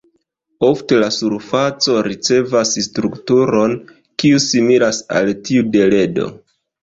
Ofte la surfaco ricevas strukturon kiu similas al tiu de ledo.